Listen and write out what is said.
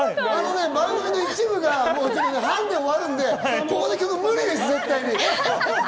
番組の１部が半で終わるのでこれ無理ですよ、絶対に。